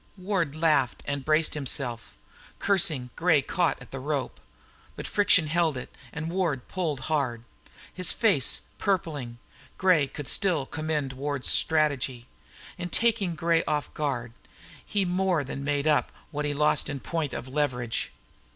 Ward laughed and braced himself. Cursing, Gray caught at the rope. But friction held it, and Ward pulled, hard. His face purpling, Gray could still commend Ward's strategy. In taking Gray off guard, he'd more than made up what he lost in point of leverage.